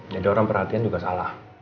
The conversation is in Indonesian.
jadi orang perhatian juga salah